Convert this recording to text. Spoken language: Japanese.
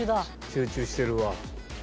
集中してるわ。